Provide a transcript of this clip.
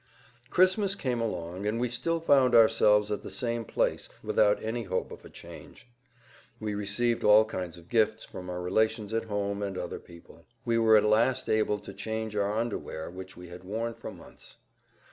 Christmas came along, and we still found ourselves at the same place without any hope of a change. We received all kinds of gifts from our relations at home and other people. We were at last able to change our underwear which we had worn for months.